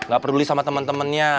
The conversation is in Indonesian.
gak peduli sama temen temennya